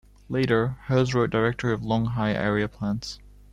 Later, Hers wrote Directory of Longhai Area Plants.